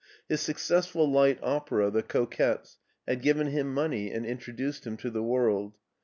His successful light opera, "The Coquettes," had given him money and introduced him to the world.